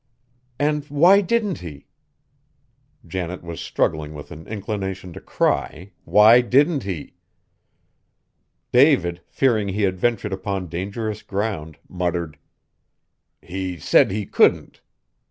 "And why didn't he?" Janet was struggling with an inclination to cry, "why didn't he?" David, fearing he had ventured upon dangerous ground, muttered: "He said he couldn't!